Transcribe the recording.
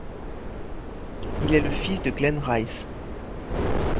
Il est le fils de Glen Rice.